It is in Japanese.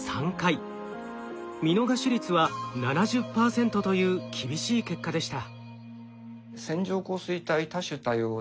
見逃し率は７０％という厳しい結果でした。